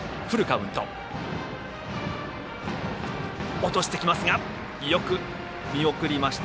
落としてきますがよく見送りました。